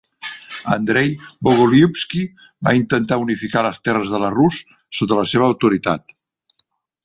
Andrei Bogoliubski va intentar unificar les terres de la Rus sota la seva autoritat.